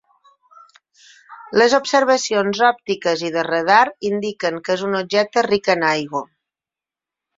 Les observacions òptiques i de radar indiquen que és un objecte ric en aigua.